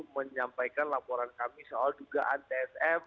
menyampaikan laporan kami soal dugaan tsm